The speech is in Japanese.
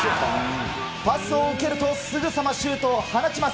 パスを受けるとすぐさまシュートを放ちます。